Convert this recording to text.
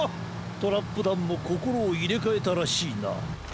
トラップだんもこころをいれかえたらしいな。